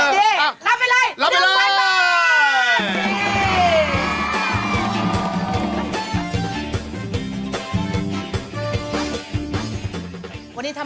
สวัสดีค่าสวัสดีค่า